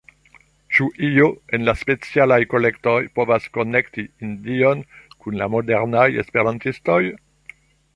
Ĉu io en la Specialaj Kolektoj povas konekti Hindion kun la modernaj esperantistoj?